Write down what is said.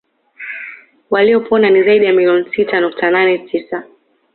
Waliopona ni zaidi ya milioni sita nukta nane tisa